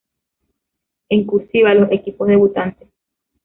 En "cursiva", los equipos debutantes.